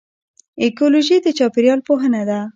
ایکیولوژي د چاپیریال پوهنه ده